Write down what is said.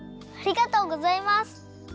ありがとうございます！